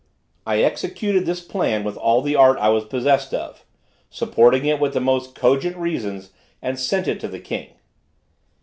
I executed this plan with all the art I was possessed of, supporting it with the most cogent reasons, and sent it to the king.